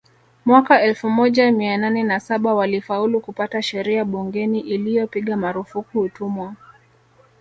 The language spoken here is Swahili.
Mwaka elfu moja mia nane na saba walifaulu kupata sheria bungeni iliyopiga marufuku utumwa